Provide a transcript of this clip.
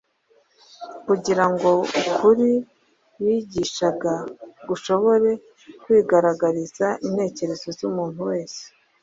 kugira ngo ukuri bigishaga gushobore kwigaragariza intekerezo z’umuntu wese.